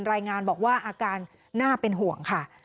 รายงานบอกว่าอาการน่าเป็นห่วงค่ะ